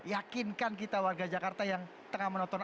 yakinkan kita warga jakarta yang tengah menonton